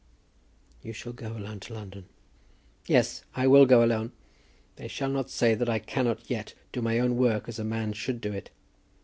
"You shall go alone to London." "Yes, I will go alone. They shall not say that I cannot yet do my own work as a man should do it.